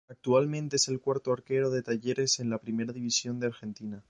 Actualmente es el cuarto arquero de Talleres en la Primera División de Argentina.